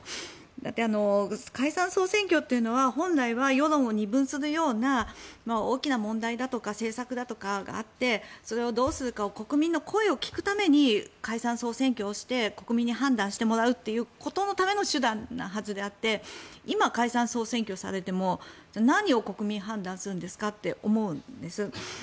だって、解散・総選挙というのは本来は世論を二分するような大きな問題だとか政策だとかがあってそれをどうするかを国民の声を聞くために解散・総選挙をして国民に判断してもらうということのための手段なはずであって今、解散・総選挙されてもじゃあ、何を国民は判断するんですかって思うんです。